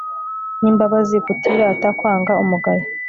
n'imbabazi, kutirata, kwanga umugayo